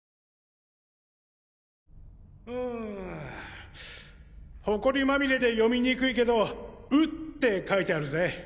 うんホコリまみれで読みにくいけど「う」って書いてあるぜ？